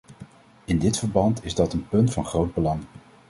In dit verband is dat een punt van groot belang.